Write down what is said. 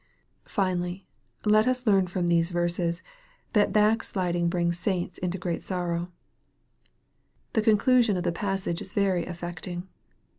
Finally, let us learn from ttesc verses that backsliding 834 EXPOSITORY THOUGHTS. brings saints into great sorrow. The conclusion of the passage is very affecting.